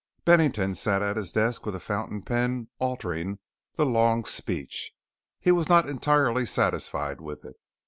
Bennington sat at his desk with a fountain pen altering the long speech. He was not entirely satisfied with it.